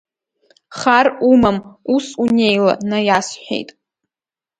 Хар умам, ус унеила, наиасҳәеит.